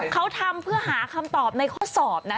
เขาทำเพื่อหาคำตอบในข้อสอบนะ